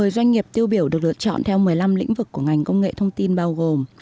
một mươi doanh nghiệp tiêu biểu được lựa chọn theo một mươi năm lĩnh vực của ngành công nghệ thông tin bao gồm